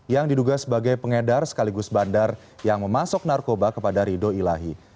yang diduga sebagai pengedar sekaligus bandar yang memasuk narkoba kepada rido ilahi